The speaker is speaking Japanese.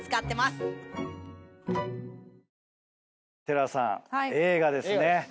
寺さん映画ですね。